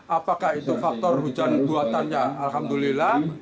apakah itu faktor hujan buatannya alhamdulillah